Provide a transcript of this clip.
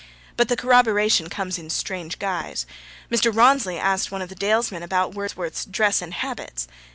But the corroboration comes in strange guise. Mr. Rawnsley asked one of the Dalesmen about Wordsworth's dress and habits.